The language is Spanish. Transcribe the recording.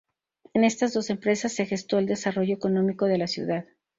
En estas dos empresas se gestó el desarrollo económico de la ciudad.